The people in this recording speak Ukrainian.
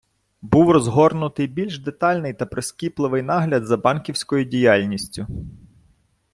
Був розгорнутий більш детальний та прискіпливий нагляд за банківською діяльністю.